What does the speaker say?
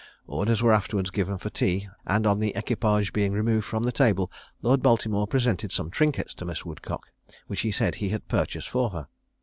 Orders were afterwards given for tea; and on the equipage being removed from the table, Lord Baltimore presented some trinkets to Miss Woodcock, which he said he had purchased for her.